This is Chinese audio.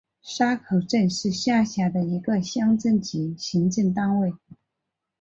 沙口镇是下辖的一个乡镇级行政单位。